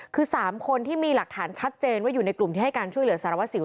คือ๓คนที่มีหลักฐานชัดเจนว่าอยู่ในกลุ่มที่ให้การช่วยเหลือสารวัสสิว